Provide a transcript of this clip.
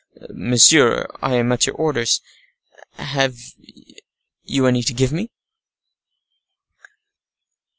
"Monsieur, I am at your orders; have you any to give me?"